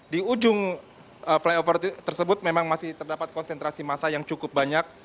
di ujung flyover tersebut memang masih terdapat konsentrasi massa yang cukup banyak